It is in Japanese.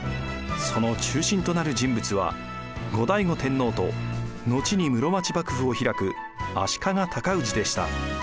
その中心となる人物は後醍醐天皇と後に室町幕府を開く足利尊氏でした。